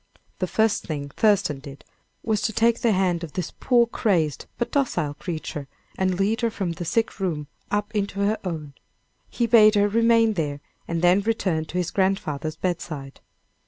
The first thing Thurston did, was to take the hand of this poor crazed, but docile creature, and lead her from the sick room up into her own. He bade her remain there, and then returned to his grandfather's bedside.